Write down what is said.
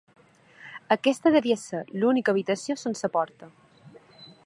Aquesta devia ser l'única habitació sense porta.